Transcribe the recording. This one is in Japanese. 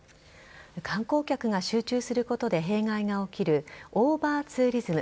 観光客が集中することで弊害が起きるオーバーツーリズム。